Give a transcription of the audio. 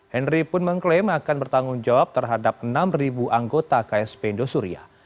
henry pun mengklaim akan bertanggung jawab terhadap enam anggota ksp indosuria